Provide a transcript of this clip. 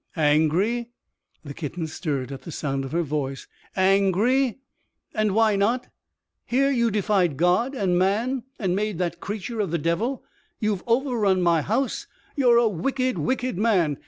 "Angry!" The kitten stirred at the sound of her voice. "Angry! And why not? Here you defied God and man and made that creature of the devil. You've overrun my house. You're a wicked, wicked man.